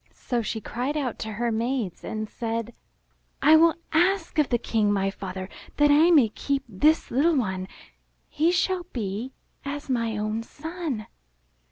So she cried out to her maids and said, '1 will ask of the King, my father, that I may keep this little ^ one. He shall be as my own son."